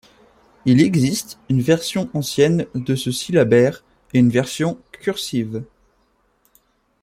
Il existe une version ancienne de ce syllabaire, et une version cursive.